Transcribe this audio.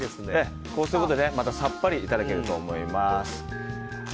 こうすることでさっぱりいただけると思います。